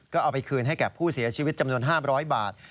ก็เอาไปคืนให้แก่ผู้เสียชีวิตจำนวน๕๐๐บาท